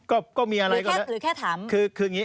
เต็มก็มีอะไรก็ได้